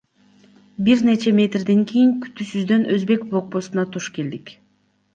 Бир нече метрден кийин күтүүсүздөн өзбек блокпостуна туш келдик.